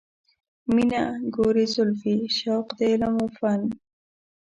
مینه، ګورې زلفې، شوق د علم و فن